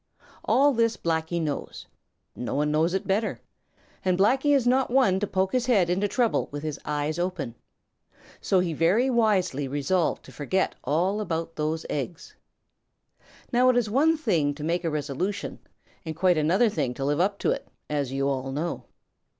All this Blacky knows. No one knows it better. And Blacky is not one to poke his head into trouble with his eyes open. So he very wisely resolved to forget all about those eggs. Now it is one thing to make a resolution and quite another thing to live up to it, as you all know.